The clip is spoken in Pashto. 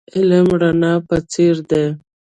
علم د رڼا په څیر دی .